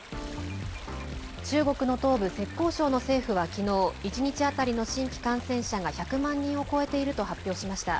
中国の東部浙江省の政府は昨日１日当たりの新規感染者が１００万人を超えていると発表しました。